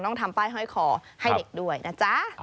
ต้องทำป้ายห้อยคอให้เด็กด้วยนะจ๊ะ